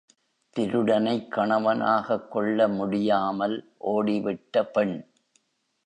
திருடனைக் கணவனாகக்கொள்ள முடியாமல் ஓடிவிட்ட பெண்!